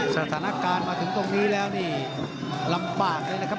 สถานการณ์มาถึงตรงนี้แล้วนี่ลำบากเลยนะครับ